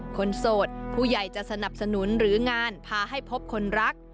โสดผู้ใหญ่จะสนับสนุนหรืองานพาให้พบคนรัก